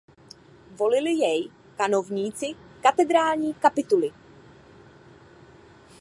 Volili jej kanovníci katedrální kapituly.